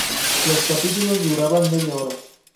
Los capítulos duraban media hora.